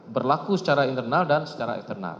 berlaku secara internal dan secara eksternal